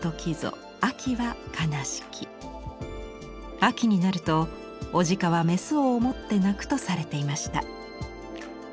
秋になると雄鹿は雌を思って啼くとされていました。